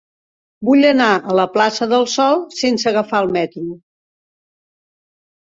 Vull anar a la plaça del Sol sense agafar el metro.